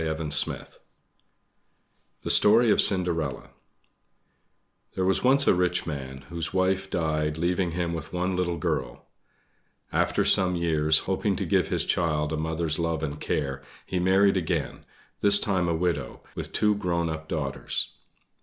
THE STORY OF CINDERELLA There was once a rich man, whose wife died, leaving him with one little girl. After some years, hoping to give his child a mother's love and care, he married again, this time a widow, with two grown up daughters.